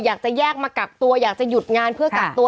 อยากจะแยกมากักตัวอยากจะหยุดงานเพื่อกักตัว